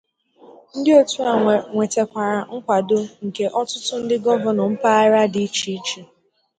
Ndị otu a nwetara nkwado nke ọtụtụ ndị gọvanọ mpaghara dị iche iche.